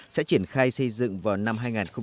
sẽ triển khai xây dựng vào năm hai nghìn một mươi bảy